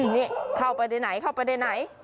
นี่เข้าไปในไหน